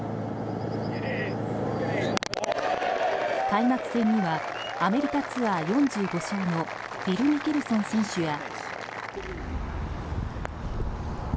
開幕戦にはアメリカツアー４５勝のフィル・ミケルソン選手や。